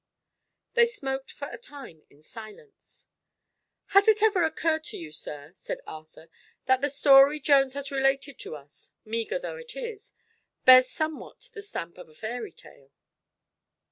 They smoked for a time in silence. "Has it ever occurred to you, sir," said Arthur, "that the story Jones has related to us, meager though it is, bears somewhat the stamp of a fairy tale?"